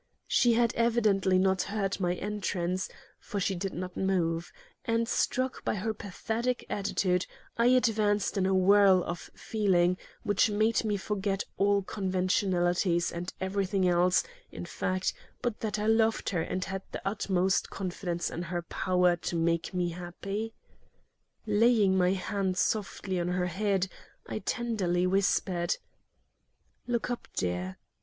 She had evidently not heard my entrance, for she did not move; and, struck by her pathetic attitude, I advanced in a whirl of feeling which made me forget all conventionalities and everything else, in fact, but that I loved her and had the utmost confidence in her power to make me happy. Laying my hand softly on her head, I tenderly whispered: "Look up, dear.